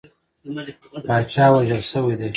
پاچا وژل شوی دی.